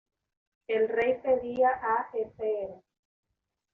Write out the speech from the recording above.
El rey pedía a fr.